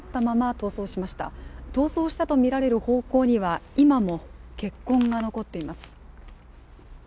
逃走したとみられる方向には今も血痕が残っています。